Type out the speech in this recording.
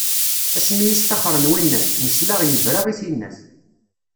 Asmi i sṭaxren winnat, nesla yebra i tinnat.